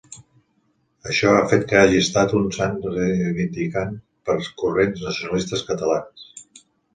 Això ha fet que hagi estat un sant reivindicat per corrents nacionalistes catalans.